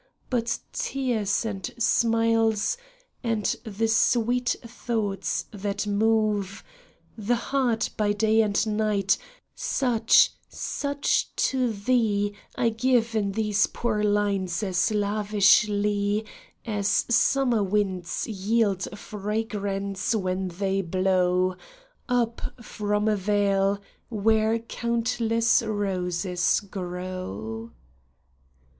But tears and smiles, and the sweet thoughts that move The heart by day and night, such, such to thee I give in these poor lines as lavishly As summer winds yield fragrance when they blow Up from a vale where countless roses grow.